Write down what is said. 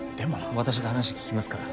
私が話聞きますから。